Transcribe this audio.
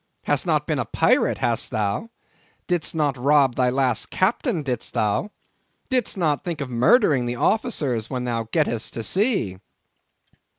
—Hast not been a pirate, hast thou?—Didst not rob thy last Captain, didst thou?—Dost not think of murdering the officers when thou gettest to sea?"